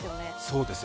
そうです。